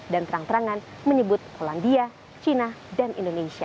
dan terang terangan menyebut polandia china dan indonesia